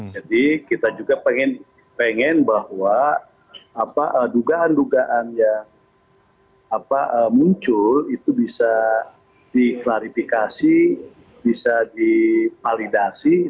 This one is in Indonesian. jadi kita juga pengen bahwa dugaan dugaan yang muncul itu bisa diklarifikasi bisa dipalidasikan